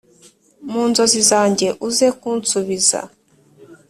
Munzozi zanjye uze kunsubiza